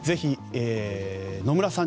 野村さん